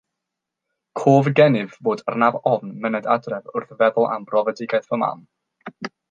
Cof gennyf fod arnaf ofn myned adref wrth feddwl am brofedigaeth fy mam.